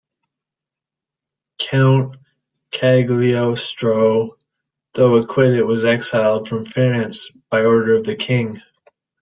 Count Cagliostro, though acquitted, was exiled from France by order of the King.